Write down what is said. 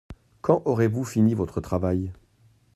Quand aurez-vous fini votre travail ?